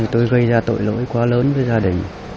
tôi gây ra tội lỗi quá lớn với gia đình